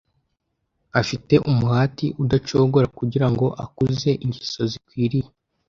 afite umuhati udacogora kugira ngo akuze ingeso zikwiriye.